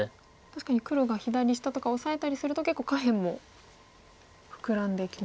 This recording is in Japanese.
確かに黒が左下とかオサえたりすると結構下辺も膨らんできますよね。